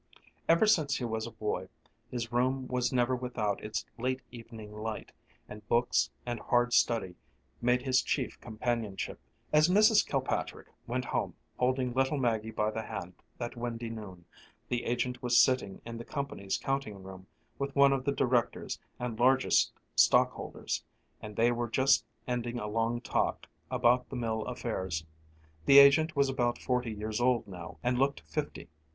Ever since he was a boy his room was never without its late evening light, and books and hard study made his chief companionship. As Mrs. Kilpatrick went home holding little Maggie by the hand that windy noon, the agent was sitting in the company's counting room with one of the directors and largest stockholders, and they were just ending a long talk about the mill affairs. The agent was about forty years old now and looked fifty.